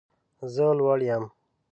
زه لوړ یم